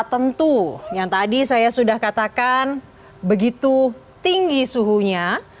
tentu yang tadi saya sudah katakan begitu tinggi suhunya